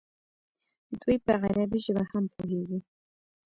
دوی په عربي ژبه هم پوهېږي.